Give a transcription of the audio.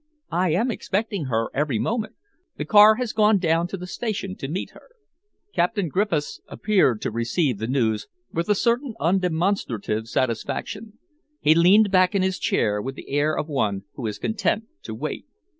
"I am expecting her every moment. The car has gone down to the station to meet her." Captain Griffiths appeared to receive the news with a certain undemonstrative satisfaction. He leaned back in his chair with the air of one who is content to wait.